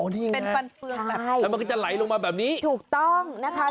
อ๋อนี่ไงมันก็จะไหลลงมาแบบนี้ถูกต้องนะคะ